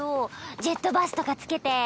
ジェットバスとか付けて。